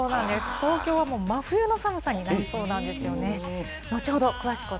東京は真冬の寒さになりそうなんですよね。